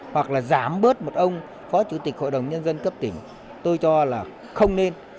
hoặc là giảm bớt một ông phó chủ tịch hội đồng nhân dân cấp tỉnh tôi cho là không nên